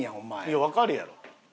いやわかるやろ。